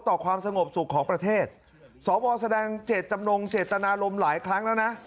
ความสงบสุขของประเทศสวแสดงเจตจำนงเจตนารมณ์หลายครั้งแล้วนะ